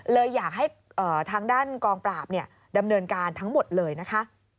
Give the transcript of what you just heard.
เลยอยากให้ทางด้านกองปราบดำเนินการทั้งหมดเลยนะคะ